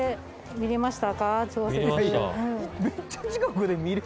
見れました